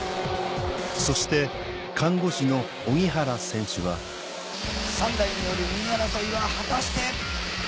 そして看護師の荻原選手は３台による２位争いは果たして！